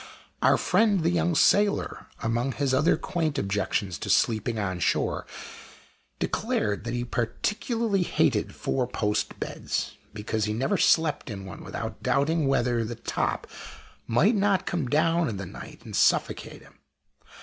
Our friend the young sailor, among his other quaint objections to sleeping on shore, declared that he particularly hated four post beds, because he never slept in one without doubting whether the top might not come down in the night and suffocate him.